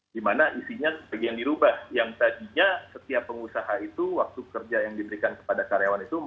dimana isinya bagi yang dirubah yang tadinya setiap pengusaha itu waktu kerja yang diberikan kepada karyawan itu